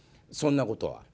そんなことは。